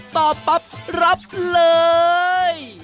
ตอบปั๊บรับเลย